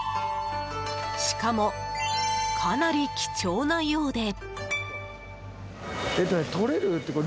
しかも、かなり貴重なようで。